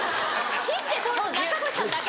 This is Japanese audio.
木で通るの中越さんだけ。